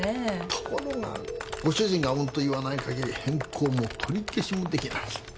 ところがご主人が「うん」と言わないかぎり変更も取り消しもできない。